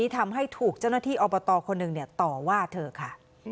ทำให้ถูกเจ้าหน้าที่อบตคนหนึ่งต่อว่าเธอค่ะ